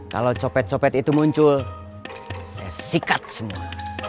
kalau copet copet itu muncul saya sikat semua